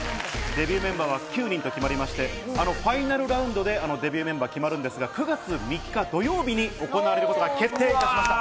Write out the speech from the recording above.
デビューメンバーは９人と決まりまして、ファイナルラウンドでデビューメンバーが決まるんですが、９月３日土曜日に行われることが決定しました。